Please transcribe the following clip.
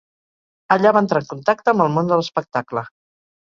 Allà va entrar en contacte amb el món de l'espectacle.